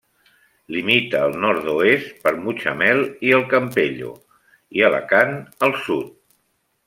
Limita al nord-oest per Mutxamel i el Campello i Alacant al sud.